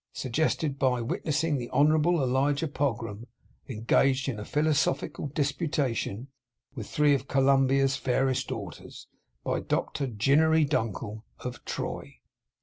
Suggested by witnessing the Honourable Elijah Pogram engaged in a philosophical disputation with three of Columbia's fairest daughters. By Doctor Ginery Dunkle. Of Troy.